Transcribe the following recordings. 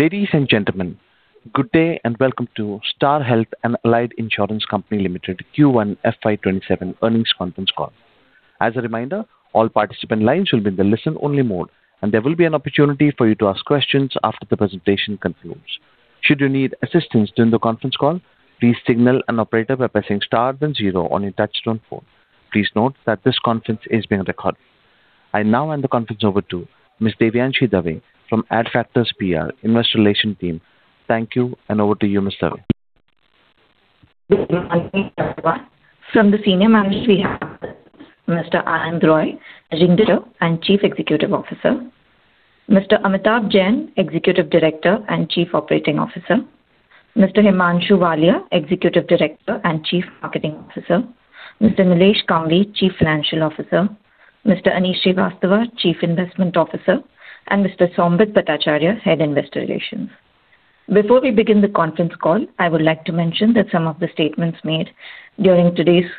Ladies and gentlemen, good day and welcome to Star Health and Allied Insurance Company Limited Q1 FY 2027 earnings conference call. As a reminder, all participant lines will be in the listen-only mode, and there will be an opportunity for you to ask questions after the presentation concludes. Should you need assistance during the conference call, please signal an operator by pressing star then zero on your touch-tone phone. Please note that this conference is being recorded. I now hand the conference over to Ms. Devyanshi Dave from Adfactors PR, Investor Relations team. Thank you, and over to you, Ms. Dave. From the senior management we have Mr. Anand Roy, Director and Chief Executive Officer. Mr. Amitabh Jain, Executive Director and Chief Operating Officer. Mr. Himanshu Walia, Executive Director and Chief Marketing Officer. Mr. Nilesh Kambli, Chief Financial Officer. Mr. Aneesh Srivastava, Chief Investment Officer, and Mr. Soumyajit Bhattacharya, Head, Investor Relations. Before we begin the conference call, I would like to mention that some of the statements made during today's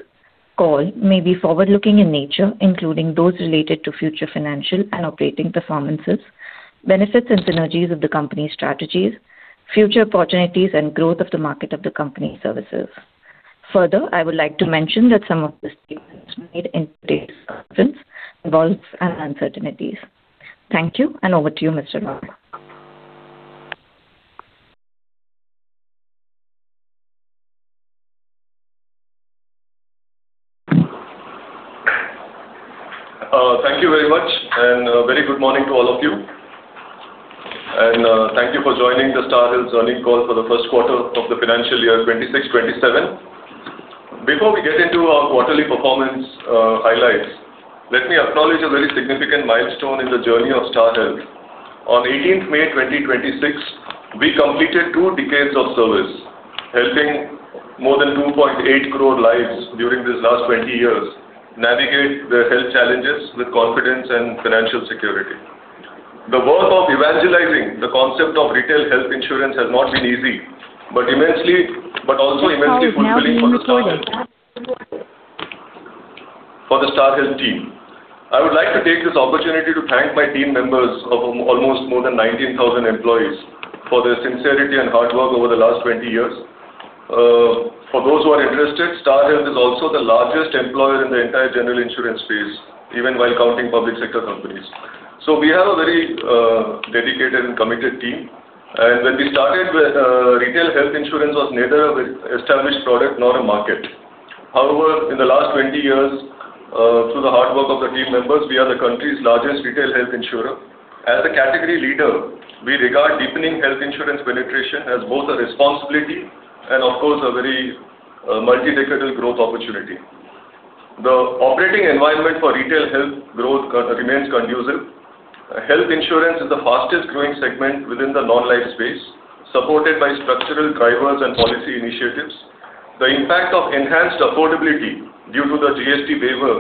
call may be forward-looking in nature, including those related to future financial and operating performances, benefits and synergies of the company's strategies, future opportunities, and growth of the market of the company's services. I would like to mention that some of the statements made in today's conference involves uncertainties. Thank you, and over to you, Mr. Roy. Thank you very much, a very good morning to all of you. Thank you for joining the Star Health earnings call for the first quarter of the financial year 2026, 2027. Before we get into our quarterly performance highlights, let me acknowledge a very significant milestone in the journey of Star Health. On 18th May 2026, we completed two decades of service, helping more than 2.8 crore lives during these last 20 years navigate their health challenges with confidence and financial security. The work of evangelizing the concept of retail health insurance has not been easy, but also immensely fulfilling for the Star Health team. I would like to take this opportunity to thank my team members of almost more than 19,000 employees for their sincerity and hard work over the last 20 years. For those who are interested, Star Health is also the largest employer in the entire general insurance space, even while counting public sector companies. We have a very dedicated and committed team. When we started with retail health insurance was neither an established product nor a market. However, in the last 20 years, through the hard work of the team members, we are the country's largest retail health insurer. As a category leader, we regard deepening health insurance penetration as both a responsibility and of course, a very multi-decadal growth opportunity. The operating environment for retail health growth remains conducive. Health insurance is the fastest-growing segment within the non-life space, supported by structural drivers and policy initiatives. The impact of enhanced affordability due to the GST waiver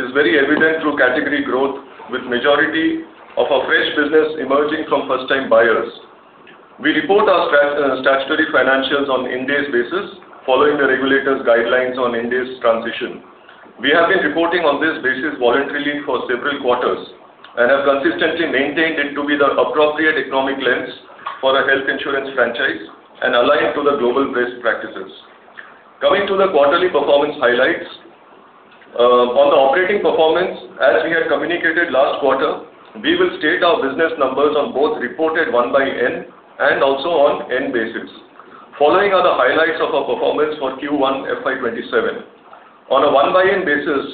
is very evident through category growth, with majority of our fresh business emerging from first-time buyers. We report our statutory financials on IND-AS basis following the regulator's guidelines on IND-AS transition. We have been reporting on this basis voluntarily for several quarters and have consistently maintained it to be the appropriate economic lens for a health insurance franchise and aligned to the global best practices. Coming to the quarterly performance highlights. On the operating performance, as we had communicated last quarter, we will state our business numbers on both reported 1/N and also on N basis. Following are the highlights of our performance for Q1 FY 2027. On a 1/N basis,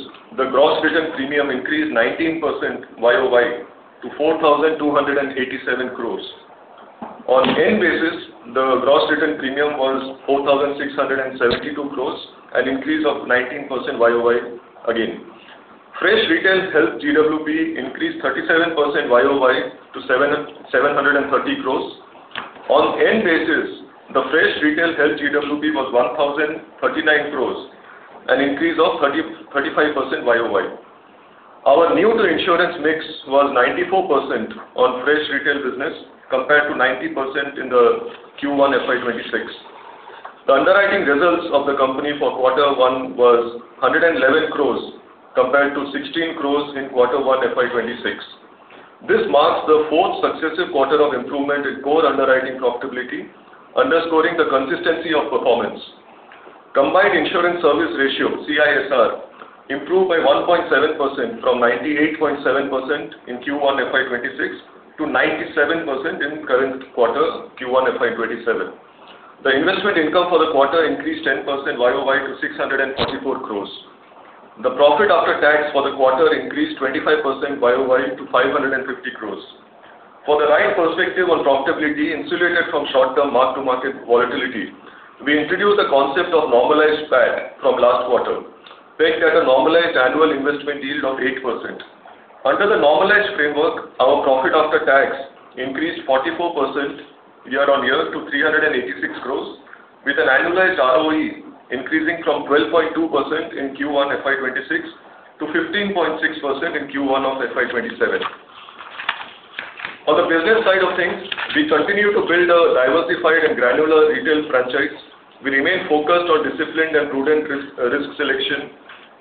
the gross written premium increased 19% YoY to 4,287 crore. On N basis, the gross written premium was 4,672 crore, an increase of 19% YoY again. Fresh retail health GWP increased 37% YoY to 730 crore. On N basis, the fresh retail health GWP was 1,039 crore, an increase of 35% YoY. Our new to insurance mix was 94% on fresh retail business compared to 90% in Q1 FY 2026. The underwriting results of the company for quarter one was 111 crore compared to 16 crore in quarter one FY 2026. This marks the fourth successive quarter of improvement in core underwriting profitability, underscoring the consistency of performance. Combined Insurance Service Ratio, CISR, improved by 1.7% from 98.7% in Q1 FY 2026 to 97% in current quarter Q1 FY 2027. The investment income for the quarter increased 10% YoY to 634 crore. The profit after tax for the quarter increased 25% YoY to 550 crore. For the right perspective on profitability insulated from short-term mark-to-market volatility, we introduced the concept of normalized PAT from last quarter, pegged at a normalized annual investment yield of 8%. Under the normalized framework, our profit after tax increased 44% year-over-year to 386 crore, with an annualized ROE increasing from 12.2% in Q1 FY 2026 to 15.6% in Q1 of FY 2027. On the business side of things, we continue to build a diversified and granular retail franchise. We remain focused on disciplined and prudent risk selection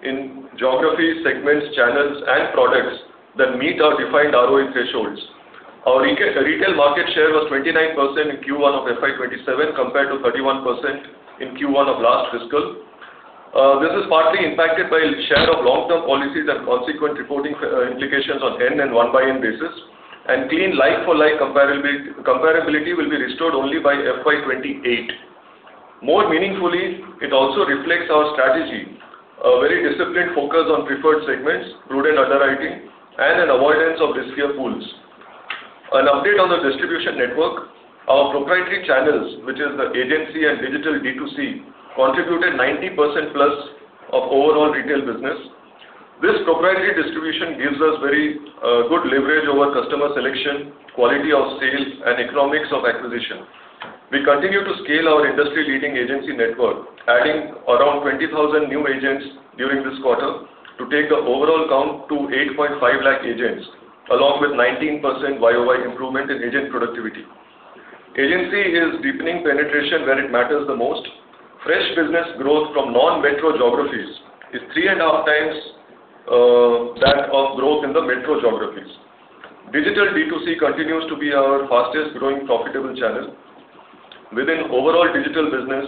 in geography, segments, channels, and products that meet our defined ROE thresholds. Our retail market share was 29% in Q1 of FY 2027 compared to 31% in Q1 of last fiscal. This is partly impacted by share of long-term policies and consequent reporting implications on N and 1/N basis, and clean like-for-like comparability will be restored only by FY 2028. More meaningfully, it also reflects our strategy, a very disciplined focus on preferred segments, prudent underwriting, and an avoidance of riskier pools. An update on the distribution network. Our proprietary channels, which is the agency and digital D2C, contributed 90%+ of overall retail business. This proprietary distribution gives us very good leverage over customer selection, quality of sales, and economics of acquisition. We continue to scale our industry-leading agency network, adding around 20,000 new agents during this quarter to take the overall count to 8.5 lakh agents, along with 19% YoY improvement in agent productivity. Agency is deepening penetration where it matters the most. Fresh business growth from non-metro geographies is three and a half times that of growth in the metro geographies. Digital B2C continues to be our fastest growing profitable channel. Within overall digital business,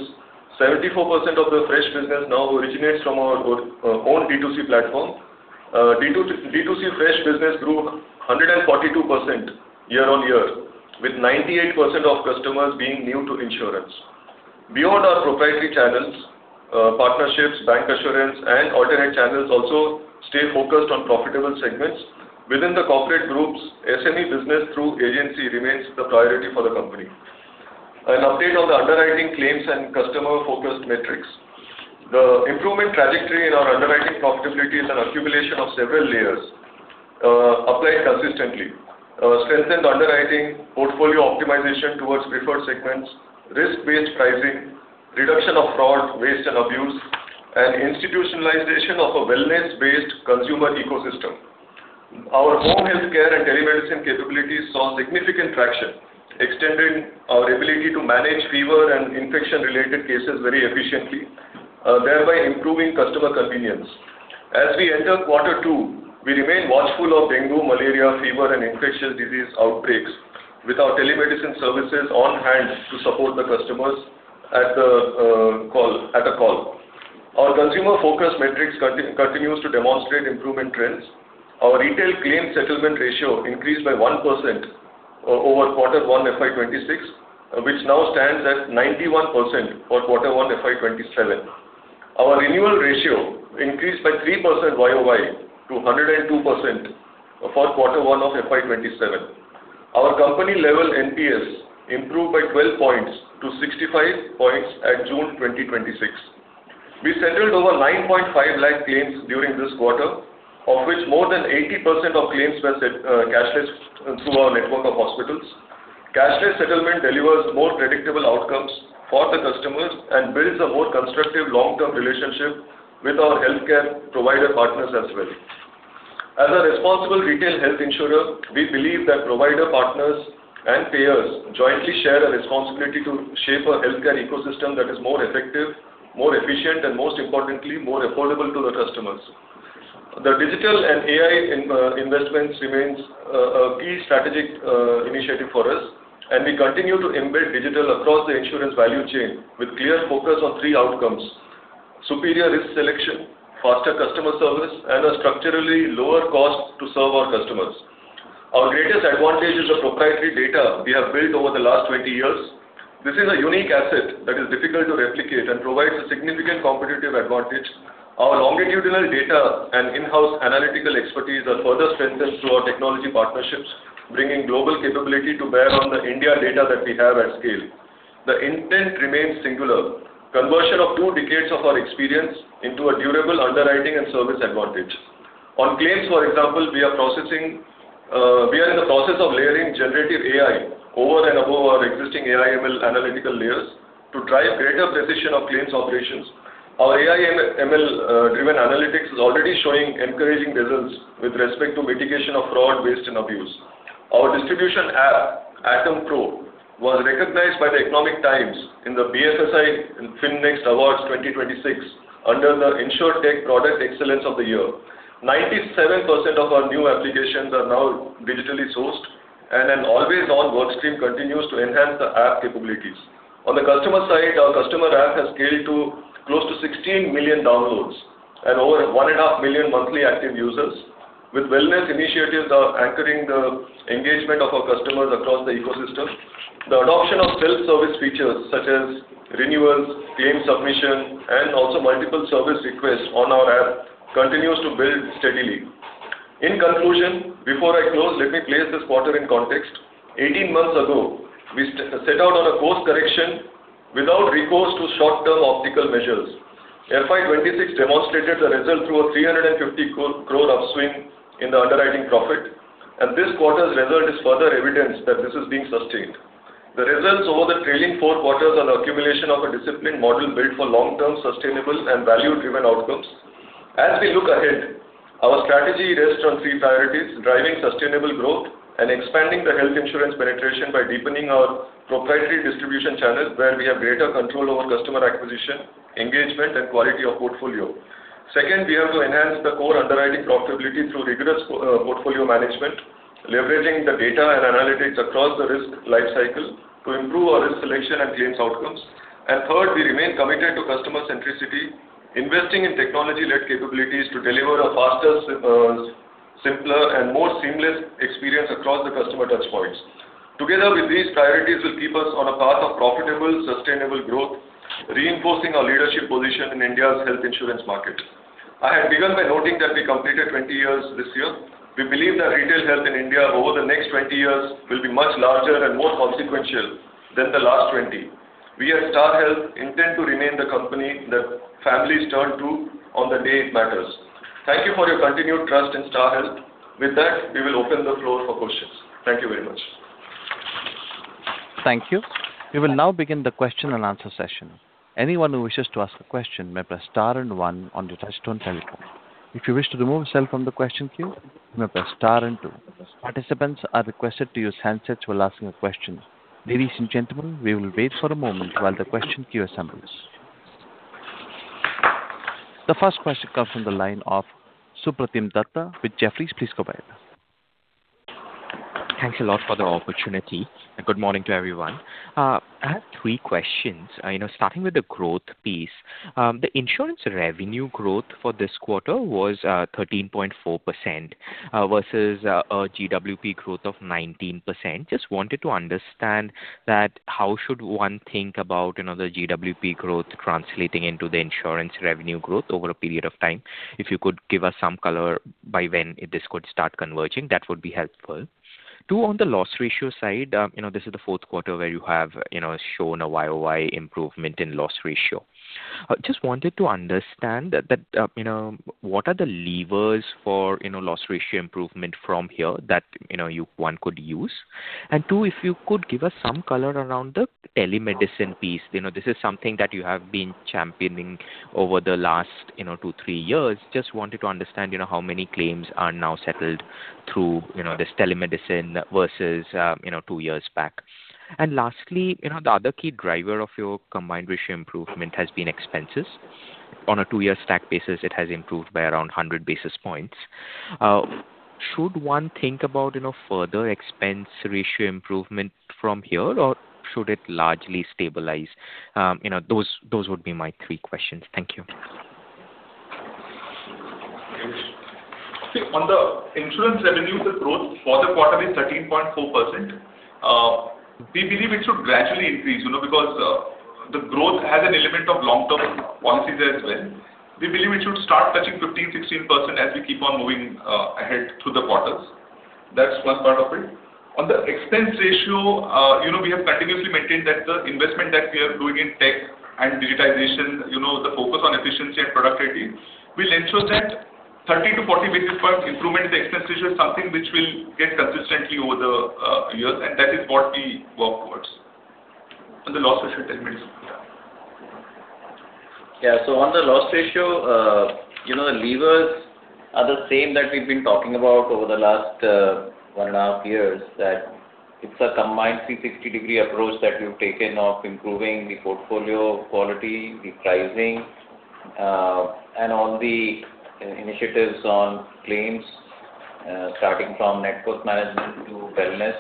74% of the fresh business now originates from our own B2C platform. B2C fresh business grew 142% year-over-year, with 98% of customers being new to insurance. Beyond our proprietary channels, partnerships, bank assurance, and alternate channels also stay focused on profitable segments. Within the corporate groups, SME business through agency remains the priority for the company. An update on the underwriting claims and customer-focused metrics. The improvement trajectory in our underwriting profitability is an accumulation of several layers applied consistently. Strengthened underwriting, portfolio optimization towards preferred segments, risk-based pricing, reduction of fraud, waste, and abuse, and institutionalization of a wellness-based consumer ecosystem. Our home healthcare and telemedicine capabilities saw significant traction, extending our ability to manage fever and infection-related cases very efficiently, thereby improving customer convenience. As we enter quarter two, we remain watchful of dengue, malaria, fever, and infectious disease outbreaks with our telemedicine services on hand to support the customers at a call. Our consumer focus metrics continue to demonstrate improvement trends. Our retail claim settlement ratio increased by 1% over quarter one FY 2026, which now stands at 91% for quarter one FY 2027. Our renewal ratio increased by 3% YoY to 102% for quarter one of FY 2027. Our company level NPS improved by 12 points to 65 points at June 2026. We settled over 9.5 lakh claims during this quarter, of which more than 80% of claims were cashless through our network of hospitals. Cashless settlement delivers more predictable outcomes for the customers and builds a more constructive long-term relationship with our healthcare provider partners as well. As a responsible retail health insurer, we believe that provider partners and payers jointly share a responsibility to shape a healthcare ecosystem that is more effective, more efficient, and most importantly, more affordable to the customers. The digital and AI investments remains a key strategic initiative for us, and we continue to embed digital across the insurance value chain with clear focus on three outcomes: superior risk selection, faster customer service, and a structurally lower cost to serve our customers. Our greatest advantage is the proprietary data we have built over the last 20 years. This is a unique asset that is difficult to replicate and provides a significant competitive advantage. Our longitudinal data and in-house analytical expertise are further strengthened through our technology partnerships, bringing global capability to bear on the India data that we have at scale. The intent remains singular. Conversion of two decades of our experience into a durable underwriting and service advantage. On claims, for example, we are in the process of layering generative AI over and above our existing AI/ML analytical layers to drive greater precision of claims operations. Our AI/ML-driven analytics is already showing encouraging results with respect to mitigation of fraud, waste, and abuse. Our distribution app, ATOM Pro, was recognized by The Economic Times in the BFSI FinNext Awards 2026 under the InsurTech Product Excellence of the Year. 97% of our new applications are now digitally sourced. An always-on work stream continues to enhance the app capabilities. On the customer side, our customer app has scaled to close to 16 million downloads and over 1.5 million monthly active users. Wellness initiatives are anchoring the engagement of our customers across the ecosystem. The adoption of self-service features such as renewals, claim submission, and also multiple service requests on our app continues to build steadily. In conclusion, before I close, let me place this quarter in context. 18 months ago, we set out on a course correction without recourse to short-term optical measures. FY 2026 demonstrated a result through a 350 crore upswing in the underwriting profit. This quarter's result is further evidence that this is being sustained. The results over the trailing 4Q are the accumulation of a disciplined model built for long-term, sustainable, and value-driven outcomes. As we look ahead. Our strategy rests on three priorities: driving sustainable growth and expanding the health insurance penetration by deepening our proprietary distribution channels where we have greater control over customer acquisition, engagement, and quality of portfolio. Second, we have to enhance the core underwriting profitability through rigorous portfolio management, leveraging the data and analytics across the risk life cycle to improve our risk selection and claims outcomes. Third, we remain committed to customer centricity, investing in technology-led capabilities to deliver a faster, simpler, and more seamless experience across the customer touch points. Together with these priorities will keep us on a path of profitable, sustainable growth, reinforcing our leadership position in India's health insurance market. I had begun by noting that we completed 20 years this year. We believe that retail health in India over the next 20 years will be much larger and more consequential than the last 20. We at Star Health intend to remain the company that families turn to on the day it matters. Thank you for your continued trust in Star Health. With that, we will open the floor for questions. Thank you very much. Thank you. We will now begin the question and answer session. Anyone who wishes to ask a question may press star and one on your touch-tone telephone. If you wish to remove yourself from the question queue, you may press star and two. Participants are requested to use handsets while asking a question. Ladies and gentlemen, we will wait for a moment while the question queue assembles. The first question comes from the line of Supratim Datta with Jefferies. Please go ahead. Thanks a lot for the opportunity, good morning to everyone. I have three questions. Starting with the growth piece. The insurance revenue growth for this quarter was 13.4% versus a GWP growth of 19%. Just wanted to understand that how should one think about another GWP growth translating into the insurance revenue growth over a period of time? If you could give us some color by when this could start converging, that would be helpful. Two, on the loss ratio side, this is the fourth quarter where you have shown a YoY improvement in loss ratio. Just wanted to understand that what are the levers for loss ratio improvement from here that one could use? And two, if you could give us some color around the telemedicine piece. This is something that you have been championing over the last two, three years. Just wanted to understand how many claims are now settled through this telemedicine versus two years back. Lastly, the other key driver of your combined ratio improvement has been expenses. On a two-year stack basis, it has improved by around 100 basis points. Should one think about further expense ratio improvement from here, or should it largely stabilize? Those would be my three questions. Thank you. See, on the insurance revenues, the growth for the quarter is 13.4%. We believe it should gradually increase because the growth has an element of long-term policies as well. We believe it should start touching 15%, 16% as we keep on moving ahead through the quarters. That's one part of it. On the expense ratio, we have continuously maintained that the investment that we are doing in tech and digitization, the focus on efficiency and productivity will ensure that 30-40 basis point improvement in the expense ratio is something which will get consistently over the years, and that is what we work towards. On the loss ratio, telemedicine. On the loss ratio, the levers are the same that we've been talking about over the last one and a half years, that it's a combined 360-degree approach that we've taken of improving the portfolio quality, the pricing, and all the initiatives on claims, starting from network management to wellness,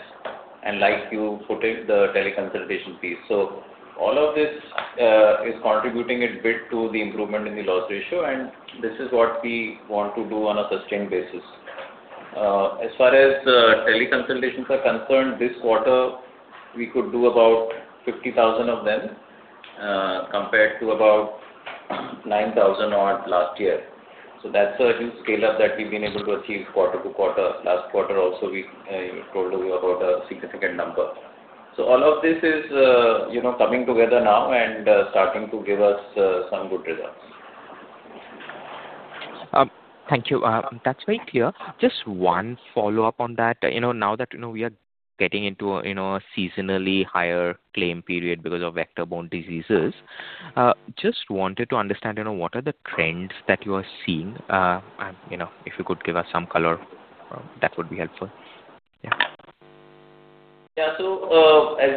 and like you quoted, the teleconsultation piece. All of this is contributing a bit to the improvement in the loss ratio, and this is what we want to do on a sustained basis. As far as teleconsultations are concerned, this quarter, we could do about 50,000 of them, compared to about 9,000 odd last year. That's a huge scale-up that we've been able to achieve quarter to quarter. Last quarter also, we told you about a significant number. All of this is coming together now and starting to give us some good results. Thank you. That's very clear. Just one follow-up on that. Now that we are getting into a seasonally higher claim period because of vector-borne diseases, just wanted to understand what are the trends that you are seeing. If you could give us some color, that would be helpful. As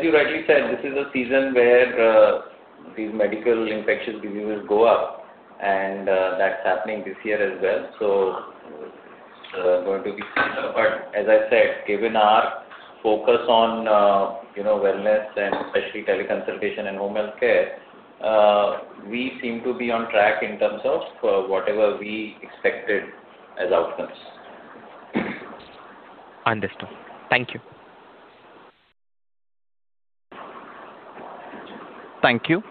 you rightly said, this is a season where these medical infectious diseases go up, and that's happening this year as well. Going to be seen. As I said, given our focus on wellness and especially teleconsultation and home health care, we seem to be on track in terms of whatever we expected as outcomes. Understood. Thank you. Thank you.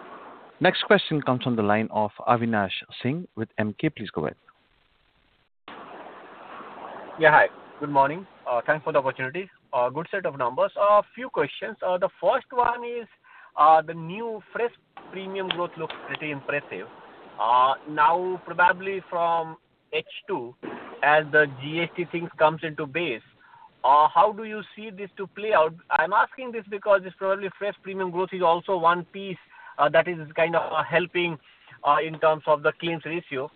Next question comes from the line of Avinash Singh with Emkay. Please go ahead. Yeah, hi. Good morning. Thanks for the opportunity. Good set of numbers. A few questions. The first one is, the new fresh premium growth looks pretty impressive. Now, probably from H2, as the GST things comes into base. How do you see this to play out? I am asking this because this probably fresh premium growth is also one piece that is kind of helping in terms of the claims ratio,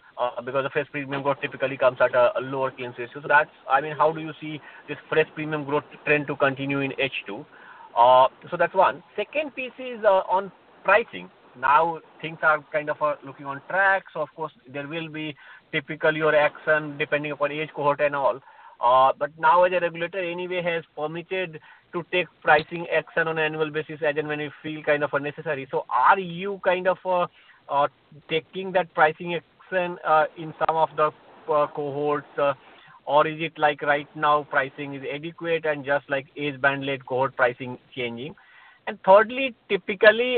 because the fresh premium growth typically comes at a lower claims ratio. How do you see this fresh premium growth trend to continue in H2? That is one. Second piece is on pricing. Now things are looking on track. Of course, there will be typically your action depending upon age cohort and all. Now the regulator anyway has permitted to take pricing action on an annual basis as and when we feel kind of necessary. Are you taking that pricing action in some of the cohorts or is it like right now pricing is adequate and just like age band led cohort pricing changing? Thirdly, typically,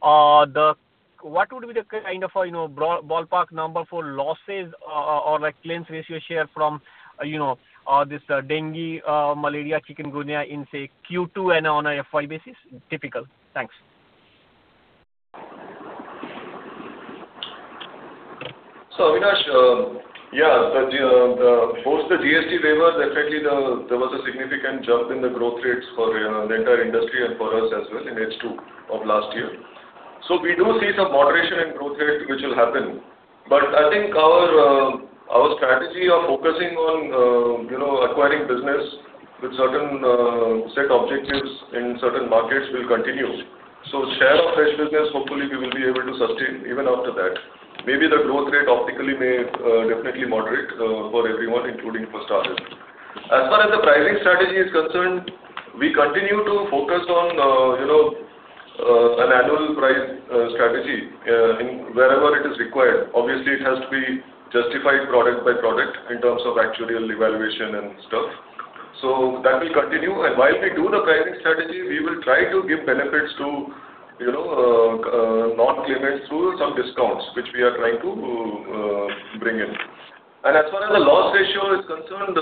what would be the kind of ballpark number for losses or claims ratio share from this dengue, malaria, chikungunya in, say, Q2 and on an FY basis? Typical. Thanks. Avinash, yeah. Post the GST waiver, definitely there was a significant jump in the growth rates for the entire industry and for us as well in H2 of last year. We do see some moderation in growth rate, which will happen. I think our strategy of focusing on acquiring business with certain set objectives in certain markets will continue. Share of fresh business, hopefully we will be able to sustain even after that. Maybe the growth rate optically may definitely moderate for everyone, including for Star Health. As far as the pricing strategy is concerned, we continue to focus on an annual price strategy wherever it is required. Obviously, it has to be justified product by product in terms of actuarial evaluation and stuff. That will continue. While we do the pricing strategy, we will try to give benefits to non-claimants through some discounts, which we are trying to bring in. As far as the loss ratio is concerned,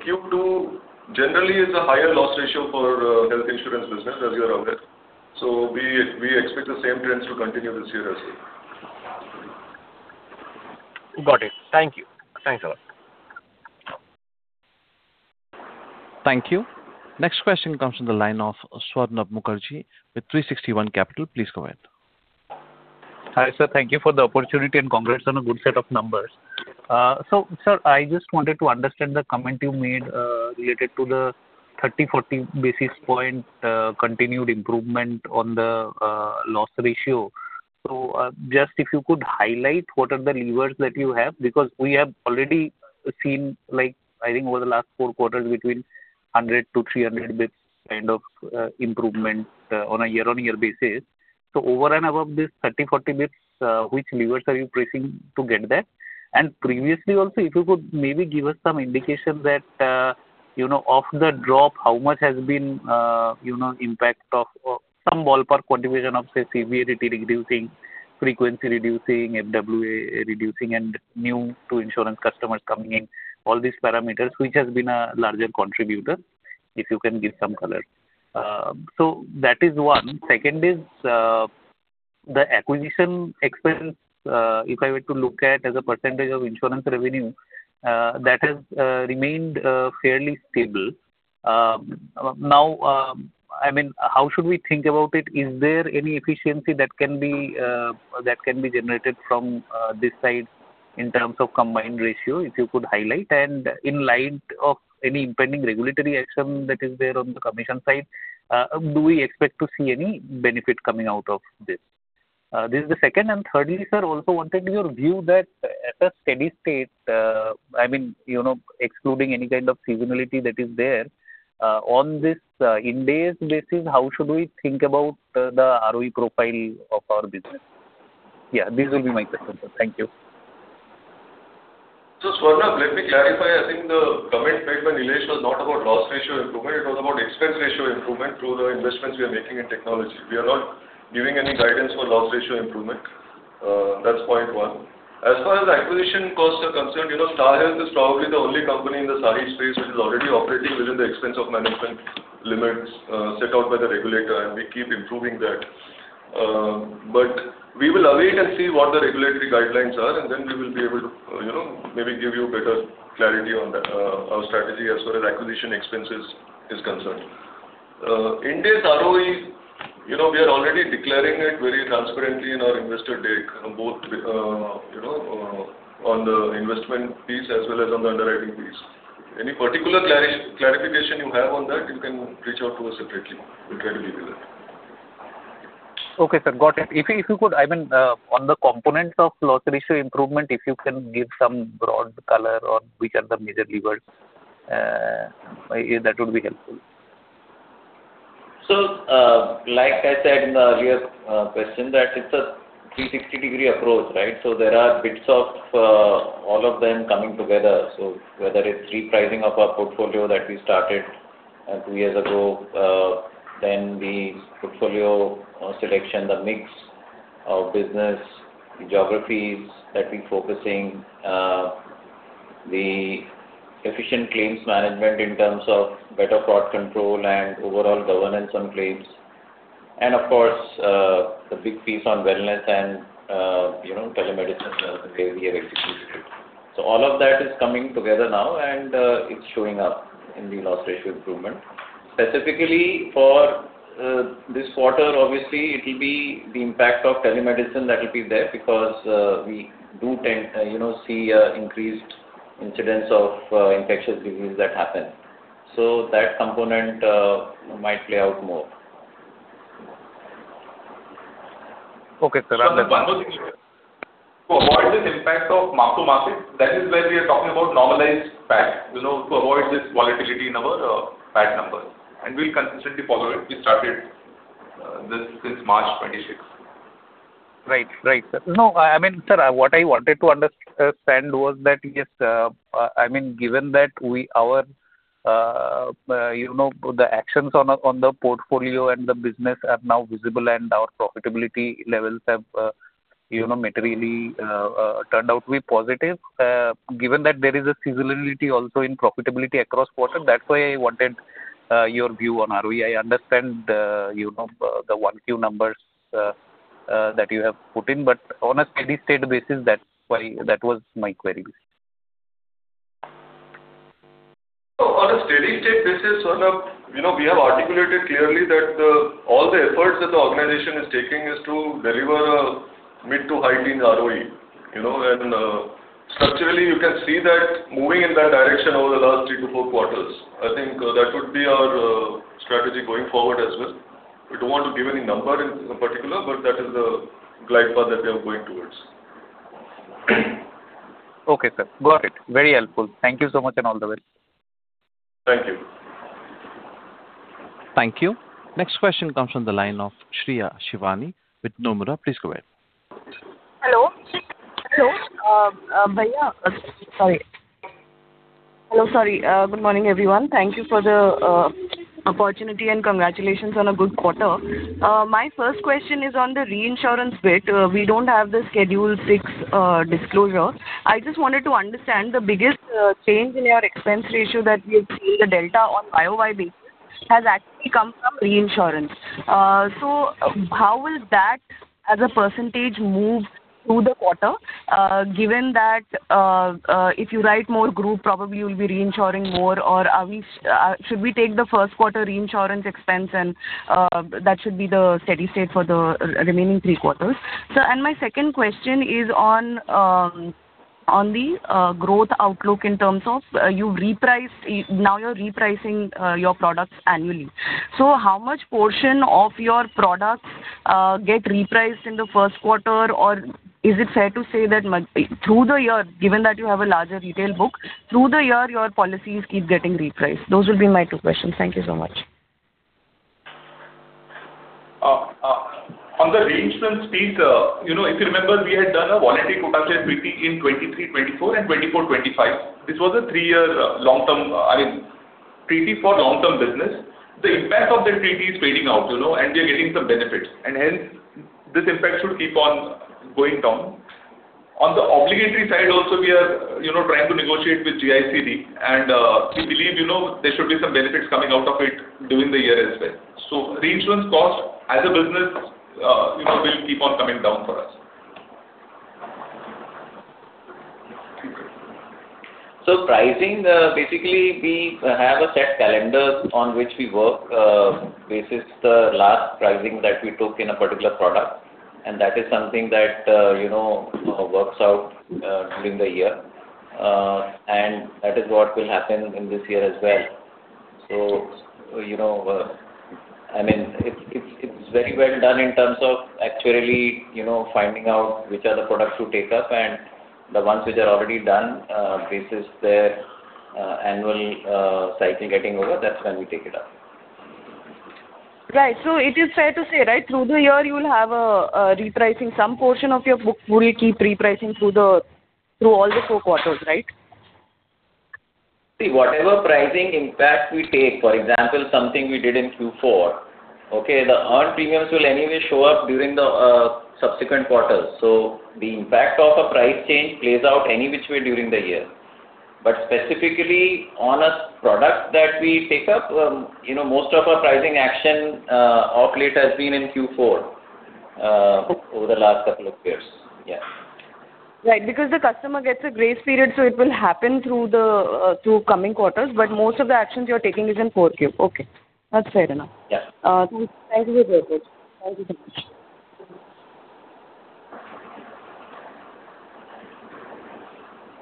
Q2 generally is a higher loss ratio for health insurance business, as you are aware. We expect the same trends to continue this year as well. Got it. Thank you. Thanks a lot. Thank you. Next question comes from the line of Swarnabh Mukherjee with 360 ONE Capital. Please go ahead. Hi, sir. Thank you for the opportunity and congrats on a good set of numbers. Sir, I just wanted to understand the comment you made related to the 30, 40 basis point continued improvement on the loss ratio. Just if you could highlight what are the levers that you have, because we have already seen, I think over the last four quarters between 100-300 basis points kind of improvement on a year-on-year basis. Over and above this 30, 40 basis points, which levers are you pressing to get that? Previously also, if you could maybe give us some indication that off the drop, how much has been impact of some ballpark contribution of, say, severity reducing, frequency reducing, NWA reducing, and new to insurance customers coming in, all these parameters, which has been a larger contributor, if you can give some color. That is one. Second is, the acquisition expense, if I were to look at as a percentage of insurance revenue, that has remained fairly stable. How should we think about it? Is there any efficiency that can be generated from this side in terms of combined ratio, if you could highlight? In light of any impending regulatory action that is there on the commission side, do we expect to see any benefit coming out of this? This is the second. Thirdly, sir, also wanted your view that at a steady state, excluding any kind of seasonality that is there, on this index basis, how should we think about the ROE profile of our business? These will be my questions, sir. Thank you. Swarnabh, let me clarify. I think the comment made by Nilesh was not about loss ratio improvement, it was about expense ratio improvement through the investments we are making in technology. We are not giving any guidance for loss ratio improvement. That's point one. As far as the acquisition costs are concerned, Star Health is probably the only company in the SAHI space which is already operating within the expense of management limits set out by the regulator, and we keep improving that. We will await and see what the regulatory guidelines are, and then we will be able to maybe give you better clarity on our strategy as far as acquisition expenses is concerned. Index ROE, we are already declaring it very transparently in our investor deck, both on the investment piece as well as on the underwriting piece. Any particular clarification you have on that, you can reach out to us separately. We'll try to give you that. Okay, sir. Got it. If you could, on the components of loss ratio improvement, if you can give some broad color on which are the major levers, that would be helpful. Like I said in the earlier question that it's a 360-degree approach, right? There are bits of all of them coming together. Whether it's repricing of our portfolio that we started two years ago, then the portfolio selection, the mix of business geographies that we're focusing, the efficient claims management in terms of better fraud control and overall governance on claims. Of course, the big piece on wellness and telemedicine, the way we have executed. All of that is coming together now, and it's showing up in the loss ratio improvement. Specifically for this quarter, obviously, it will be the impact of telemedicine that will be there because we do see increased incidents of infectious disease that happen. That component might play out more. Okay, sir. One more thing. To avoid this impact of month-to-month, that is why we are talking about normalized PAT, to avoid this volatility in our PAT numbers. We'll consistently follow it. We started this since March 26. Sir, what I wanted to understand was that, given that the actions on the portfolio and the business are now visible and our profitability levels have materially turned out to be positive, given that there is a seasonality also in profitability across quarter, that's why I wanted your view on ROE. I understand the 1Q numbers that you have put in, but on a steady state basis, that was my query. On a steady state basis, we have articulated clearly that all the efforts that the organization is taking is to deliver a mid to high teens ROE. Structurally, you can see that moving in that direction over the last three to four quarters. I think that would be our strategy going forward as well. We don't want to give any number in particular, but that is the glide path that we are going towards. Okay, sir. Got it. Very helpful. Thank you so much, and all the best. Thank you. Thank you. Next question comes from the line of Shreya Shivani with Nomura. Please go ahead. Hello. Sorry. Good morning, everyone. Thank you for the opportunity and congratulations on a good quarter. My first question is on the reinsurance bit. We don't have the Schedule VI disclosure. I just wanted to understand the biggest change in your expense ratio that we have seen, the delta on year-over-year basis, has actually come from reinsurance. How will that, as a percentage, move through the quarter, given that if you write more group, probably you'll be reinsuring more, or should we take the first quarter reinsurance expense and that should be the steady state for the remaining three quarters? My second question is on the growth outlook in terms of now you're repricing your products annually. How much portion of your products get repriced in the first quarter, or is it fair to say that through the year, given that you have a larger retail book, through the year, your policies keep getting repriced? Those will be my two questions. Thank you so much. On the reinsurance bit, if you remember, we had done a voluntary total treaty in 2023, 2024 and 2024, 2025. This was a three-year treaty for long-term business. The impact of that treaty is fading out, we are getting some benefits, and hence this impact should keep on going down. On the obligatory side also, we are trying to negotiate with GIC Re, we believe there should be some benefits coming out of it during the year as well. Reinsurance cost as a business will keep on coming down for us. Pricing, basically we have a set calendar on which we work, basis the last pricing that we took in a particular product, that is something that works out during the year. That is what will happen in this year as well. It's very well done in terms of actually finding out which are the products to take up and the ones which are already done, basis their annual cycle getting over, that's when we take it up. Right. It is fair to say, through the year you will have a repricing. Some portion of your book will keep repricing through all the four quarters, right? Whatever pricing impact we take, for example, something we did in Q4, the earned premiums will anyway show up during the subsequent quarters. The impact of a price change plays out any which way during the year. Specifically on a product that we take up, most of our pricing action of late has been in Q4 over the last couple of years. Yeah. Right, because the customer gets a grace period, so it will happen through coming quarters, but most of the actions you're taking is in 4Q. Okay. That's fair enough. Yeah. Thank you. Very good. Thank you so much.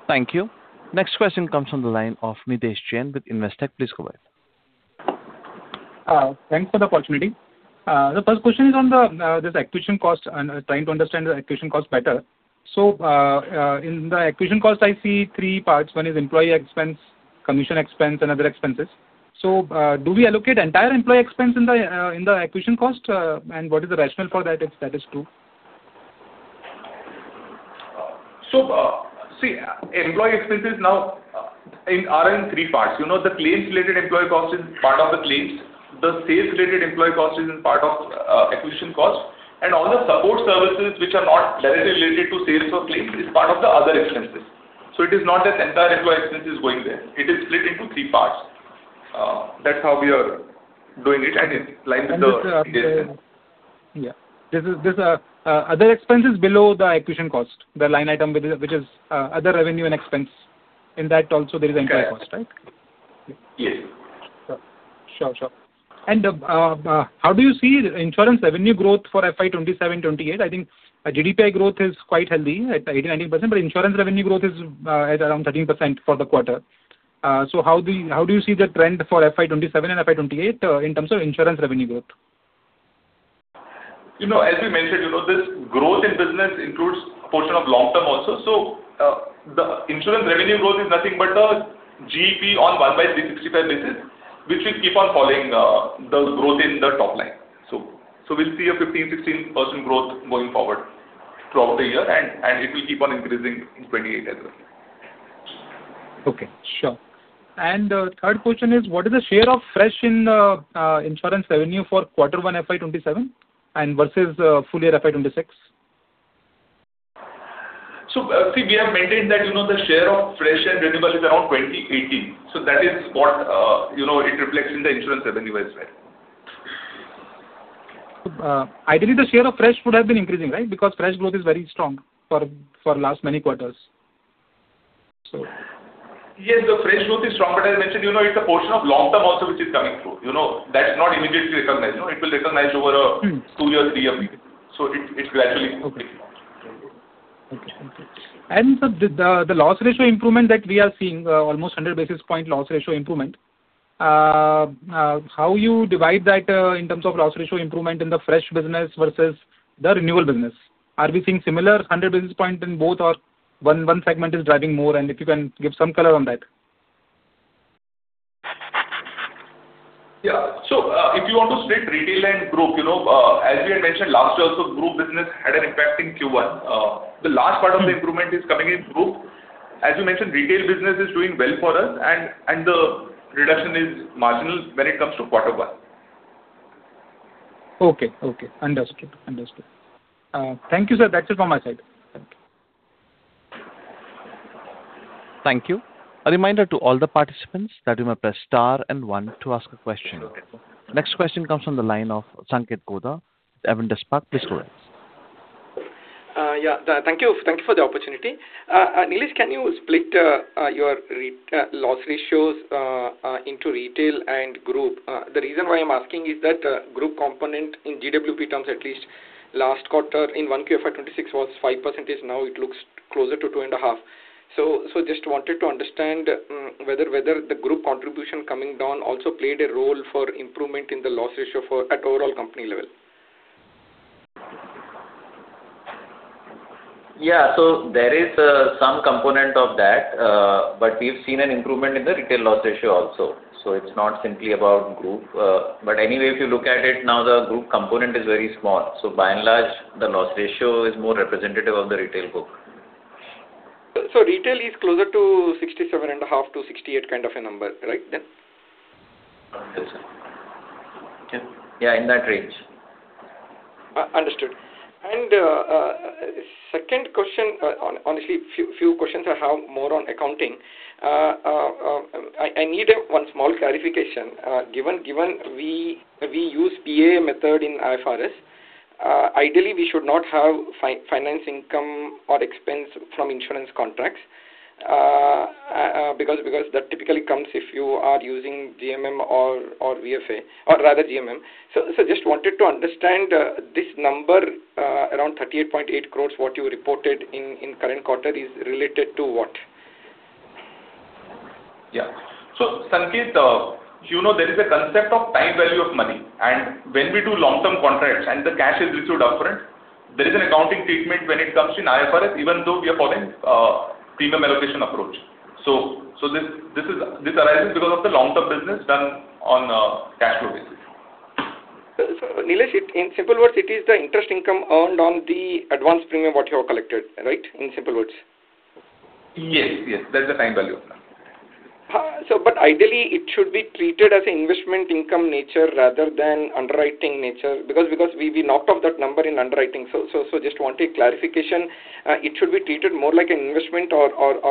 Thank you. Next question comes from the line of Nitesh Jain with Investec. Please go ahead. Thanks for the opportunity. The first question is on this acquisition cost. I'm trying to understand the acquisition cost better. In the acquisition cost, I see three parts. One is employee expense, commission expense, and other expenses. Do we allocate entire employee expense in the acquisition cost? And what is the rationale for that if that is true? Employee expenses now are in three parts. The claims related employee cost is part of the claims. The sales related employee cost is in part of acquisition cost. All the support services which are not directly related to sales or claims is part of the other expenses. It is not that entire acquisition expense is going there. It is split into three parts. That's how we are doing it and in line with the Indian standard. Yeah. This other expenses below the acquisition cost, the line item which is other revenue and expense, in that also there is a cost, right? Yes. How do you see insurance revenue growth for FY 2027, 2028? I think GDPI growth is quite healthy at 80%-90%, but insurance revenue growth is at around 13% for the quarter. How do you see the trend for FY 2027 and FY 2028 in terms of insurance revenue growth? As we mentioned, this growth in business includes a portion of long-term also. The insurance revenue growth is nothing but a GEP on 1/365 basis, which will keep on following the growth in the top line. We'll see a 15%-16% growth going forward throughout the year, and it will keep on increasing in 2028 as well. Okay, sure. Third question is, what is the share of fresh in insurance revenue for quarter one, FY 2027 versus full year FY 2026? See, we have maintained that the share of fresh and renewable is around 20/80. That is what it reflects in the insurance revenue as well. Ideally, the share of fresh would have been increasing, right? Because fresh growth is very strong for last many quarters. The fresh growth is strong, as mentioned, it's a portion of long-term also which is coming through. That's not immediately recognized. It will recognize over a two year, three year period. It gradually increases. Sir, the loss ratio improvement that we are seeing, almost 100 basis point loss ratio improvement, how you divide that in terms of loss ratio improvement in the fresh business versus the renewal business? Are we seeing similar 100 basis point in both or one segment is driving more? If you can give some color on that. Yeah. If you want to split retail and group, as we had mentioned last year also, group business had an impact in Q1. The large part of the improvement is coming in group. As you mentioned, retail business is doing well for us and the reduction is marginal when it comes to quarter one. Okay. Understood. Thank you, sir. That's it from my side. Thank you. Thank you. A reminder to all the participants that you may press star and one to ask a question. Next question comes from the line of Sanketh Godha, Avendus Spark. Please go ahead. Yeah. Thank you for the opportunity. Nilesh, can you split your loss ratios into retail and group? The reason why I'm asking is that group component in GWP terms, at least last quarter in 1Q FY 2026 was 5%. Now it looks closer to 2.5%. Just wanted to understand whether the group contribution coming down also played a role for improvement in the loss ratio at overall company level. Yeah, there is some component of that. We've seen an improvement in the retail loss ratio also. It's not simply about group. Anyway, if you look at it now, the group component is very small, so by and large, the loss ratio is more representative of the retail book. Retail is closer to 67.5-68 kind of a number, right then? Yes, sir. Yeah, in that range. Understood. Second question, honestly, few questions I have more on accounting. I need one small clarification. Given we use PAA method in IFRS, ideally we should not have finance income or expense from insurance contracts, because that typically comes if you are using GMM or VFA or rather GMM. Just wanted to understand this number, around 38.8 crore, what you reported in current quarter is related to what? Yeah. Sanket, you know there is a concept of time value of money, when we do long-term contracts and the cash is received upfront, there is an accounting treatment when it comes in IFRS, even though we are following Premium Allocation Approach. This arises because of the long-term business done on a cash flow basis. Nilesh, in simple words, it is the interest income earned on the advanced premium what you have collected, right? In simple words. Yes. That's the time value of money. Ideally it should be treated as investment income nature rather than underwriting nature, because we knocked off that number in underwriting. Just wanted clarification. It should be treated more like an investment or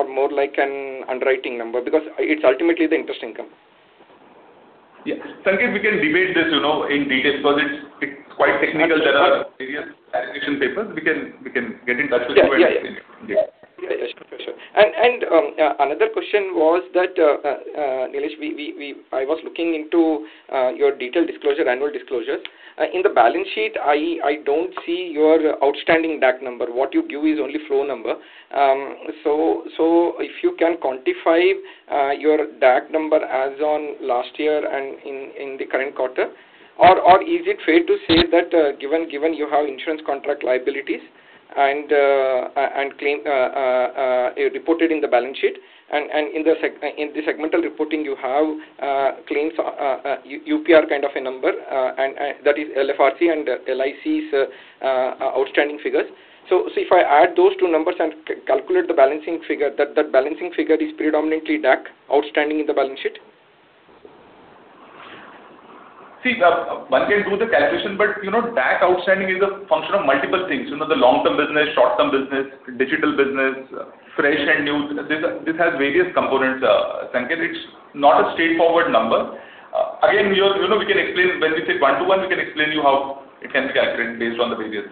more like an underwriting number because it's ultimately the interest income. Yeah. Sanketh, we can debate this in detail because it's quite technical. There are various clarification papers. We can get in touch with you and explain it. Yeah, sure. Another question was that, Nilesh, I was looking into your detailed disclosure, annual disclosure. In the balance sheet, I don't see your outstanding DAC number. What you give is only flow number. If you can quantify your DAC number as on last year and in the current quarter or is it fair to say that given you have insurance contract liabilities and reported in the balance sheet and in the segmental reporting you have claims UPR kind of a number, and that is LFRC and LIC's outstanding figures. If I add those two numbers and calculate the balancing figure, that balancing figure is predominantly DAC outstanding in the balance sheet? See, one can do the calculation, but DAC outstanding is a function of multiple things. The long-term business, short-term business, digital business, fresh and new. This has various components, Sanketh. It's not a straightforward number. Again, when we sit one-to-one, we can explain to you how it can be calculated based on the various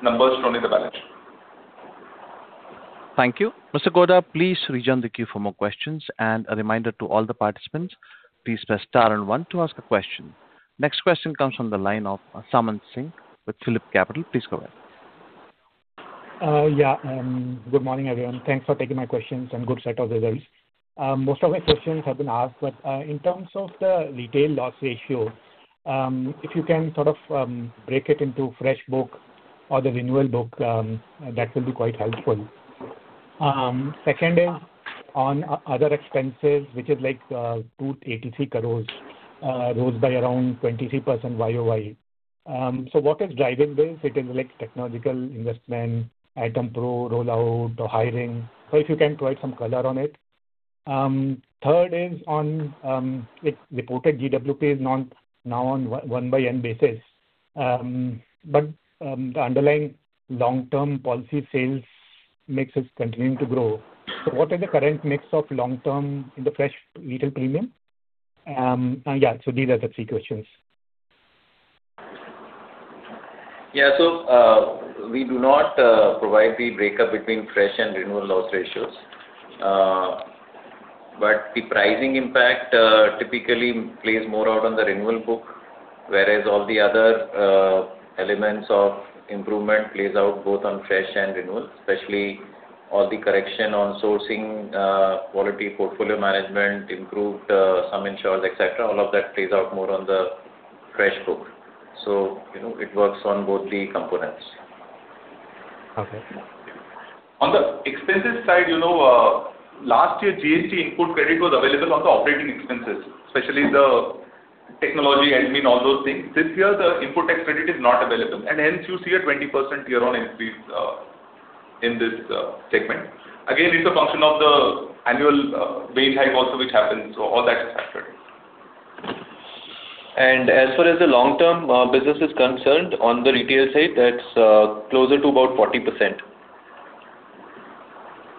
numbers shown in the balance sheet. Thank you. Mr. Godha, please rejoin the queue for more questions. A reminder to all the participants, please press star and one to ask a question. Next question comes from the line of Samaan Singh with PhillipCapital. Please go ahead. Good morning, everyone. Thanks for taking my questions and good set of results. Most of my questions have been asked. In terms of the retail loss ratio, if you can sort of break it into fresh book or the renewal book, that will be quite helpful. Second is on other expenses, which is like 283 crore, rose by around 23% YoY. What is driving this? It is like technological investment, ATOM Pro rollout or hiring. If you can provide some color on it. Third is on reported GWP is now on 1/N basis. The underlying long-term policy sales mix is continuing to grow. What are the current mix of long-term in the fresh retail premium? These are the three questions. We do not provide the breakup between fresh and renewal loss ratios. The pricing impact typically plays more out on the renewal book, whereas all the other elements of improvement plays out both on fresh and renewal, especially all the correction on sourcing, quality portfolio management, improved some insurers, etc. All of that plays out more on the fresh book. It works on both the components. Okay. On the expenses side, last year GST input credit was available on the operating expenses, especially the technology admin, all those things. This year, the input tax credit is not available. You see a 20% year-over-year increase in this segment. Again, it's a function of the annual wage hike also, which happens. All that is factored in. As far as the long-term business is concerned, on the retail side, that's closer to about 40%.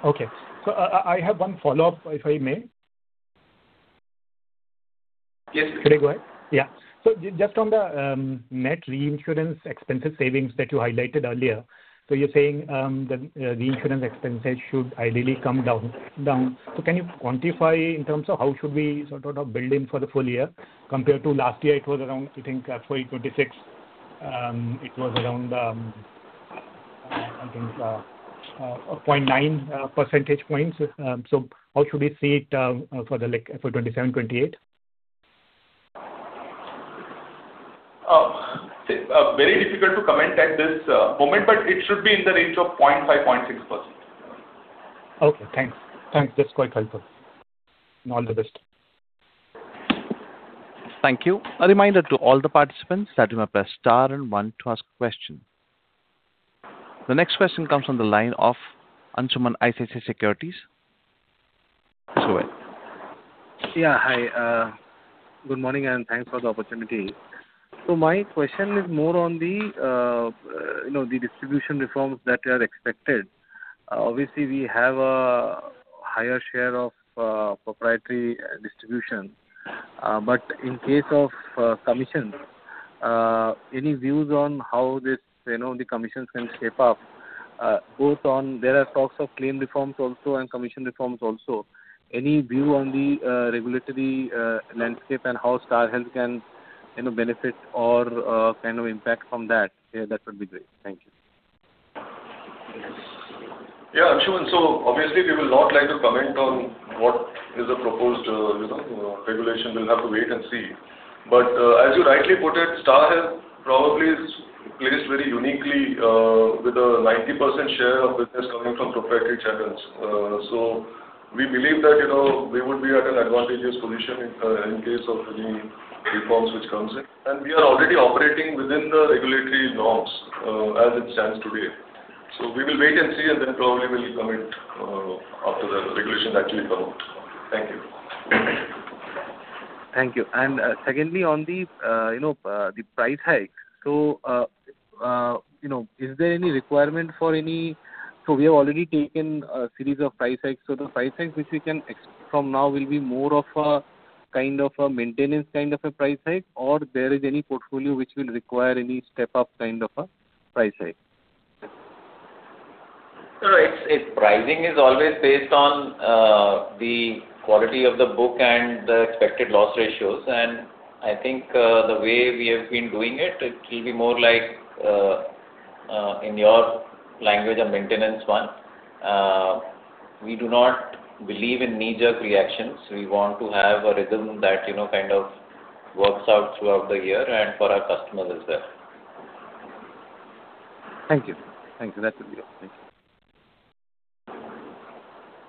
Okay. I have one follow-up, if I may. Yes. Can I go ahead? Yeah. Just on the net reinsurance expensive savings that you highlighted earlier. You're saying that reinsurance expenses should ideally come down. Can you quantify in terms of how should we sort of build in for the full year compared to last year? It was around, I think, for 2026, it was around, I think, 0.9 percentage points. How should we see it for 2027, 2028? Very difficult to comment at this moment, it should be in the range of 0.5%-0.6%. Okay, thanks. That's quite helpful. All the best. Thank you. A reminder to all the participants that you may press star and one to ask a question. The next question comes from the line of Ansuman, ICICI Securities. Please go ahead. Yeah, hi. Good morning, thanks for the opportunity. My question is more on the distribution reforms that are expected. Obviously, we have a higher share of proprietary distribution. In case of commissions, any views on how the commissions can shape up? Both on there are talks of claim reforms also and commission reforms also. Any view on the regulatory landscape and how Star Health can benefit or kind of impact from that? That would be great. Thank you. Yeah, Anshuman. Obviously we will not like to comment on what is a proposed regulation. We'll have to wait and see. As you rightly put it, Star Health probably is placed very uniquely with a 90% share of business coming from proprietary channels. We believe that we would be at an advantageous position in case of any reforms which comes in, and we are already operating within the regulatory norms as it stands today. We will wait and see, and then probably we'll comment after the regulation actually comes out. Thank you. Thank you. Secondly, on the price hike. Is there any requirement for any? We have already taken a series of price hikes. The price hikes which we can expect from now will be more of a maintenance kind of a price hike or there is any portfolio which will require any step up kind of a price hike? Sir, pricing is always based on the quality of the book and the expected loss ratios, and I think, the way we have been doing it will be more like, in your language, a maintenance one. We do not believe in knee-jerk reactions. We want to have a rhythm that works out throughout the year and for our customers as well. Thank you. That will be all. Thank you.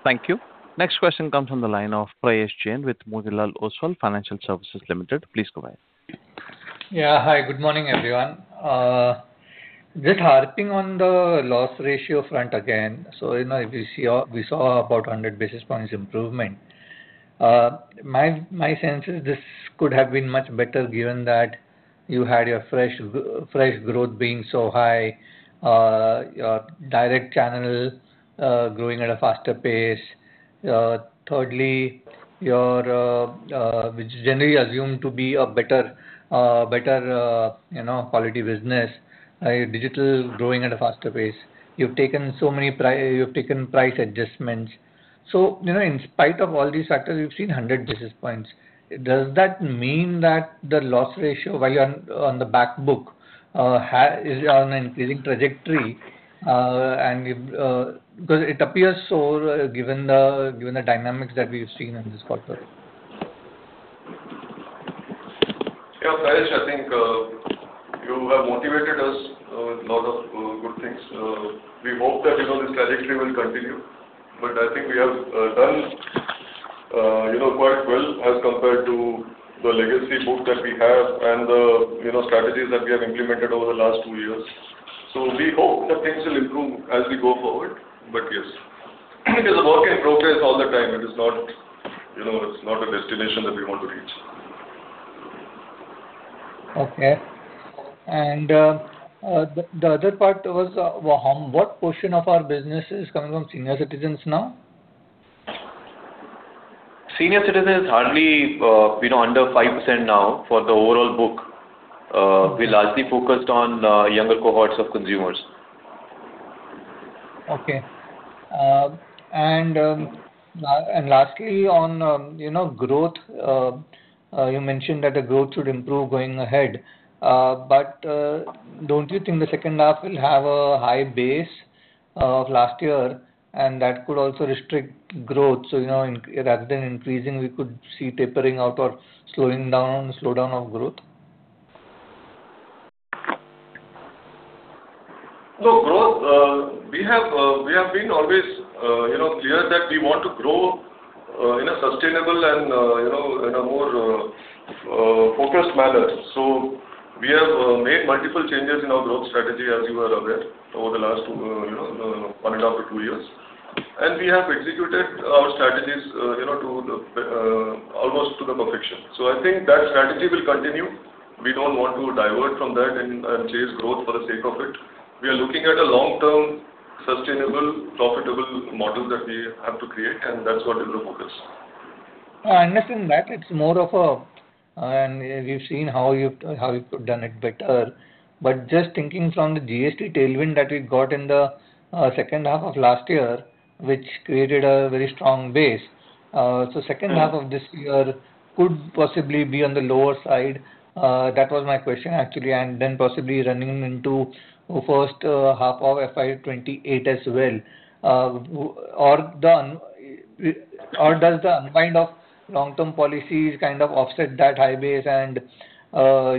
Thank you. Next question comes from the line of Prayesh Jain with Motilal Oswal Financial Services Limited. Please go ahead. Yeah, hi. Good morning, everyone. Just harping on the loss ratio front again. We saw about 100 basis points improvement. My sense is this could have been much better given that you had your fresh growth being so high, your direct channel growing at a faster pace. Thirdly, which is generally assumed to be a better quality business, your digital growing at a faster pace. You've taken price adjustments. In spite of all these factors, you've seen 100 basis points. Does that mean that the loss ratio on the back book is on an increasing trajectory? It appears so, given the dynamics that we've seen in this quarter. Yeah, Prayesh, I think you have motivated us with lot of good things. We hope that this trajectory will continue, I think we have done quite well as compared to the legacy book that we have and the strategies that we have implemented over the last two years. We hope that things will improve as we go forward. Yes, it is a work in progress all the time. It is not a destination that we want to reach. Okay. The other part was, what portion of our business is coming from senior citizens now? Senior citizens hardly under 5% now for the overall book. We largely focused on younger cohorts of consumers. Okay. Lastly on growth, you mentioned that the growth should improve going ahead. Don't you think the second half will have a high base of last year and that could also restrict growth? Rather than increasing, we could see tapering out or slowdown of growth. We have been always clear that we want to grow in a sustainable and in a more focused manner. We have made multiple changes in our growth strategy, as you are aware, over the last one and a half to two years. We have executed our strategies almost to the perfection. I think that strategy will continue. We don't want to divert from that and chase growth for the sake of it. We are looking at a long-term, sustainable, profitable model that we have to create, and that's what is the focus. I understand that. We've seen how you could've done it better. Just thinking from the GST tailwind that we got in the second half of last year, which created a very strong base. Second half of this year could possibly be on the lower side. That was my question, actually. Then possibly running into first half of FY 2028 as well. Does the kind of long-term policies kind of offset that high base and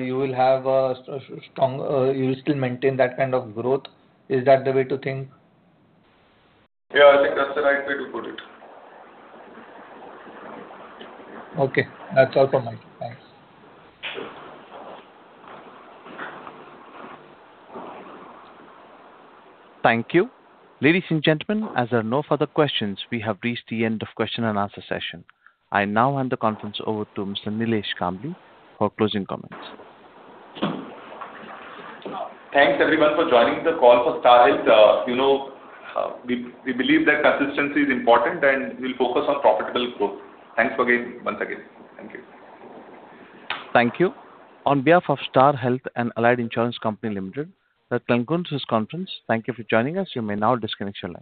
you will still maintain that kind of growth? Is that the way to think? Yeah, I think that's the right way to put it. Okay. That's all from my side. Thanks. Thank you. Ladies and gentlemen, as there are no further questions, we have reached the end of question and answer session. I now hand the conference over to Mr. Nilesh Kambli for closing comments. Thanks everyone for joining the call for Star Health. We believe that consistency is important. We'll focus on profitable growth. Thanks once again. Thank you. Thank you. On behalf of Star Health and Allied Insurance Company Limited, the conference is. Thank you for joining us. You may now disconnect your lines.